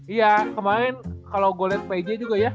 iya kemarin kalo gue liat pj juga ya